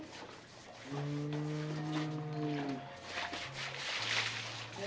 kalau gitu saya permisi dulu ya pak pur